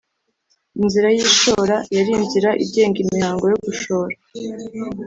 inzira y’ishora: yari inzira igenga imihango yo gushora.